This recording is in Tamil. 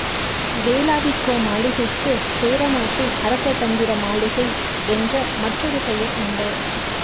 வேளாவிக்கோ மாளிகைக்குச் சேரநாட்டின் அரசதந்திர மாளிகை என்று மற்றொரு பெயர் உண்டு.